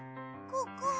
ここは？